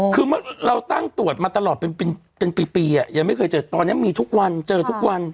คือเราตั้งตรวจมาตลอดเป็นปียังไม่เคยเจอตอนนี้มีทุกวันเจอทุกวัน